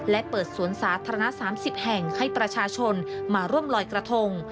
และเปิดสวนสาธารณะ๓๐แห่งให้ประชาชนมาร่วมลอยกระทง